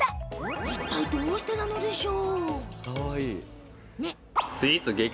いったいどうしてなのでしょう。